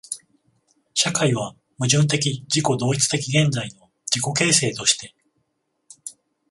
社会は矛盾的自己同一的現在の自己形成として、